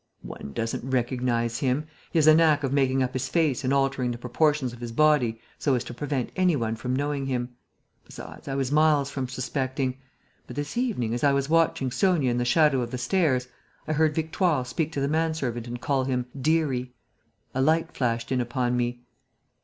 "One doesn't recognize him. He has a knack of making up his face and altering the proportions of his body so as to prevent any one from knowing him. Besides, I was miles from suspecting.... But, this evening, as I was watching Sonia in the shadow of the stairs, I heard Victoire speak to the man servant and call him, 'Dearie.' A light flashed in upon me.